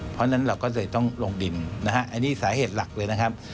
เพราะฉะนั้นเราก็เลยต้องลงดินนะฮะอันนี้สาเหตุหลักเลยนะครับ